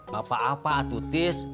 bapak apa tis